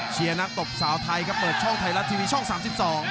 เชียร์นักตบสาวไทยครับเปิดช่องไทยรัดทีวีช่อง๓๒